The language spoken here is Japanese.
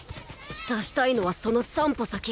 出したいのはその３歩先